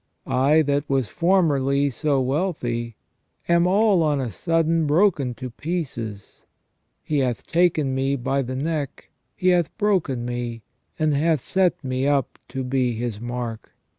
I, that was formerly so wealthy, am all on a sudden broken to pieces. He hath taken me by the neck, He hath broken me, and hath set me up to be His mark.